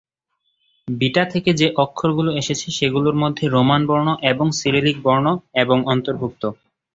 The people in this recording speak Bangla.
বিটা থেকে যে অক্ষরগুলি এসেছে সেগুলির মধ্যে রোমান বর্ণ এবং সিরিলিক বর্ণ এবং অন্তর্ভুক্ত।